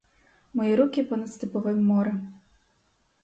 Мої руки понад степовим морем!